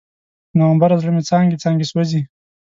نومبره، زړه مې څانګې، څانګې سوزي